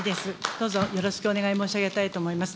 どうぞよろしくお願い申し上げたいと思います。